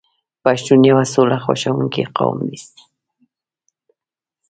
پښتون یو سوله خوښوونکی قوم دی.